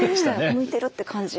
向いてるって感じ。